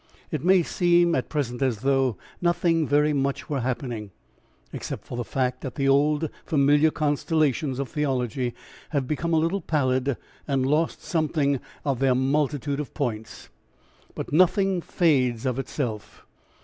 It may seem at present as though nothing very much were happening, except for the fact that the old familiar constellations of theology have become a little pallid and lost something of their multitude of points. But nothing fades of itself.